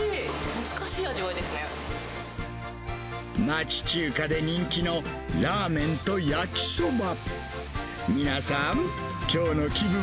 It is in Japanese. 町中華で人気のラーメンと焼きそば。